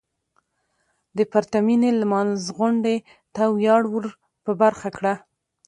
د پرتمينې لمانځغونډې ته وياړ ور په برخه کړه .